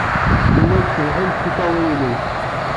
Llant cebḥent tiṭṭawin-nnem.